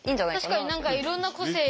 確かに何かいろんな個性。